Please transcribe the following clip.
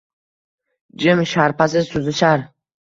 Jim, sharpasiz suzishar